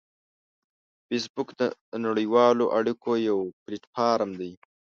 فېسبوک د نړیوالو اړیکو یو پلیټ فارم دی